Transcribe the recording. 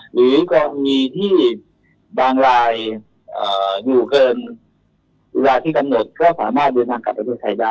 หรือกรณีที่บางรายอยู่เกินเวลาที่กำหนดก็สามารถเดินทางกลับไปเพื่อไทยได้